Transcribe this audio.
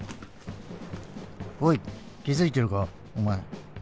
おい気付いてるかお前。